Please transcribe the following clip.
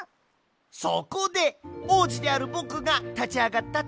そこでおうじであるぼくがたちあがったってわけさ。